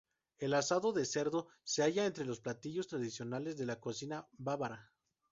El asado de cerdo se halla entre los platillos tradicionales de la cocina bávara.